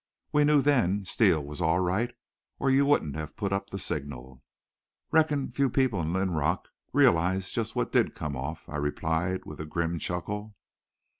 We knew then Steele was all right or you wouldn't have put up the signal." "Reckon few people in Linrock realize just what did come off," I replied with a grim chuckle.